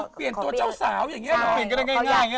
เปลี่ยนตัวเจ้าสาวอย่างงี้หรอ